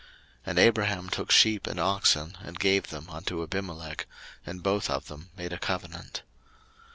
01:021:027 And Abraham took sheep and oxen, and gave them unto Abimelech; and both of them made a covenant.